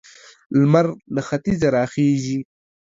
لمر له ختيځه را خيژي.